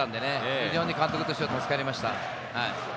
非常に監督としては助かりました。